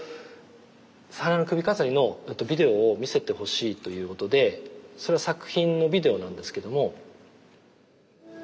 「花の首飾り」のビデオを見せてほしいということでそれは作品のビデオなんですけども。